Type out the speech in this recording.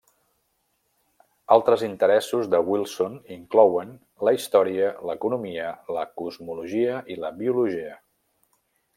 Altres interessos de Wilson inclouen: la història, l'economia, la cosmologia i la biologia.